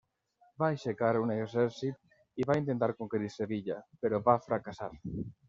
Va aixecar un exèrcit i va intentar conquerir Sevilla, però va fracassar.